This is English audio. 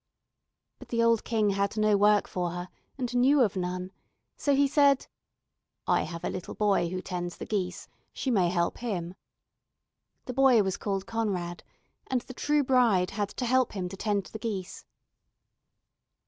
But the old King had no work for her, and knew of none, so he said: "I have a little boy who tends the geese, she may help him." The boy was called Conrad, and the true bride had to help him to tend the geese.